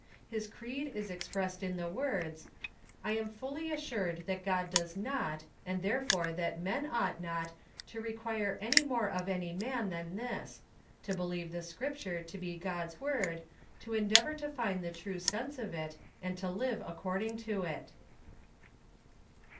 His creed is expressed in the words, "I am fully assured that God does not, and therefore that men ought not to require any more of any man than this, to believe the Scripture to be God's Avord, to endeavor to find the true sense of it, and to live according to it."